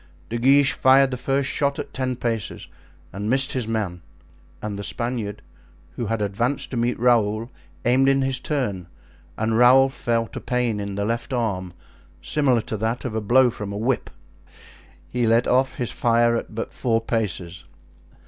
De Guiche fired the first shot at ten paces and missed his man; and the Spaniard, who had advanced to meet Raoul, aimed in his turn, and Raoul felt a pain in the left arm, similar to that of a blow from a whip. He let off his fire at but four paces.